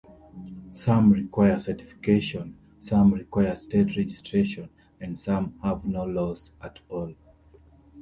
Some require certification, some require state registration, and some have no laws at all.